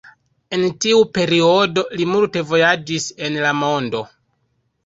En tiu periodo li multe vojaĝis en la mondo.